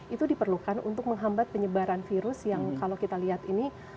itu diperlukan untuk menghambat penyebaran virus yang kalau kita lihat ini